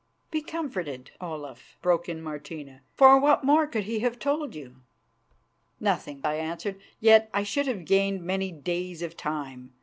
"Be comforted, Olaf," broke in Martina, "for what more could he have told you?" "Nothing, perchance," I answered; "yet I should have gained many days of time.